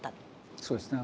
そうですね。